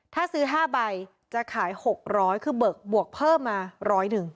ถ้าซื้อ๕ใบจะขาย๖๐๐คือเบิกบวกเพิ่มมาร้อยหนึ่ง